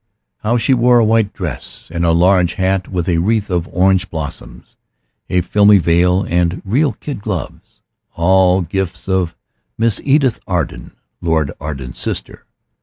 How she wore a white dress and a large hat with a wreath of orange blossoms, a filmy veil, and real kid gloves all gifts of Miss Edith Arden, Lord Arden's sister.